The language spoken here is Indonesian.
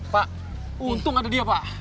pak untung ada dia pak